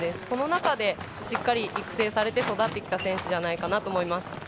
その中でしっかり育成されて育ってきた選手だと思います。